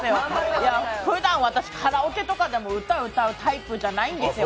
ふだん、私カラオケとかでも歌歌うタイプじゃないんですよ。